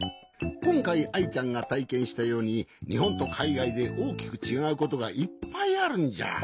こんかいアイちゃんがたいけんしたようににほんとかいがいでおおきくちがうことがいっぱいあるんじゃ。